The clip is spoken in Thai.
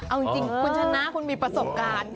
เอาจริงคุณชนะคุณมีประสบการณ์